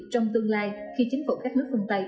trong tương lai khi chính phủ các nước phương tây